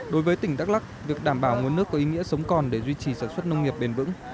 đối với tỉnh đắk lắc việc đảm bảo nguồn nước có ý nghĩa sống còn để duy trì sản xuất nông nghiệp bền vững